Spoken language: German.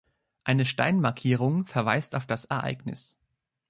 Eine Steinmarkierung verweist auf das Ereignis.